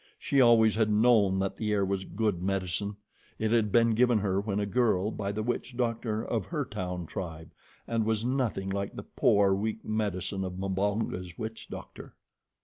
She always had known that that ear was good medicine. It had been given her, when a girl, by the witch doctor of her town tribe, and was nothing like the poor, weak medicine of Mbonga's witch doctor.